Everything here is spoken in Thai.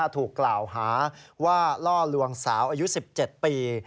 ถูกกล่าวหาว่าล่อลวงสาวอายุ๑๗ปี